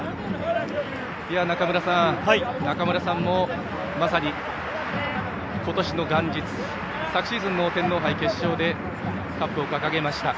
中村さんも、まさに今年の元日昨シーズンの天皇杯決勝でカップを掲げました。